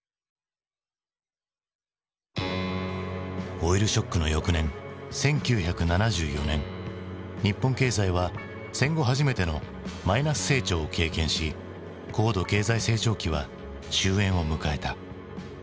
オイルショックの翌年１９７４年日本経済は戦後初めてのマイナス成長を経験し高度経済成長期は終えんを迎えた。